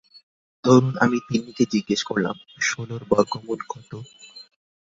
ধরুন, আমি তিন্নিকে জিজ্ঞেস করলাম, ষোলর বর্গমূল কত?